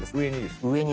上に？